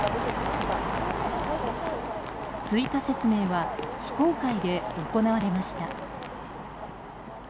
追加説明は非公開で行われました。